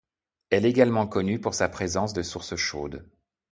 Elle également connue pour sa présence de source chaude.